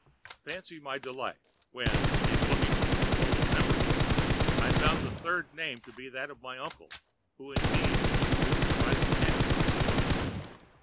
Fancy my delight when, in looking over the roll of membership, I found the third name to be that of my uncle, who indeed was junior vice chancellor of the order!